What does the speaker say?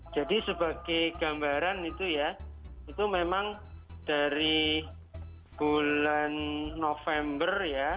jadi sebagai gambaran itu ya itu memang dari bulan november